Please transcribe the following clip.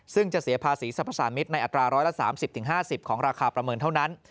ซึ่งจะเสียภาษีสรรพสามิตรในอัตรา๑๓๐๕๐ของราคาประเมินเท่านั้น